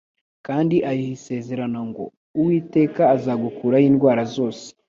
kandi ayiha isezerano ngo :« Uwiteka azagukuraho indwara zose. »